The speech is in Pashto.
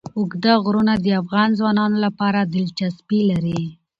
اوږده غرونه د افغان ځوانانو لپاره دلچسپي لري.